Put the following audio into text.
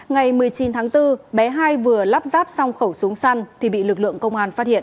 ngày một mươi chín tháng bốn bé hai vừa lắp ráp xong khẩu súng săn thì bị lực lượng công an phát hiện